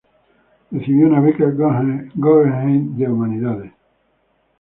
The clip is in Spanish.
Recibió una beca Guggenheim de Humanidades.